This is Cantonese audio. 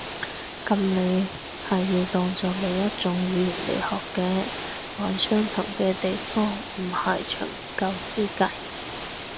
噉你係要當做另一種語言來學嘅。揾相同嘅地方唔係長久之計